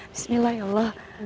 bismillah ya allah